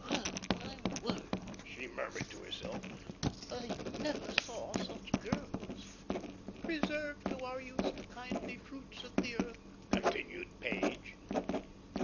"Well, my word," she murmured to herself, "I never saw such girls." "Preserve to our use the kindly fruits of the earth," continued Page.